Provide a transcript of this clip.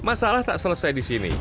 masalah tak selesai di sini